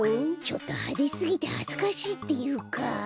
ちょっとはですぎてはずかしいっていうか。